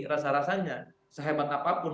rasa rasanya sehebat apapun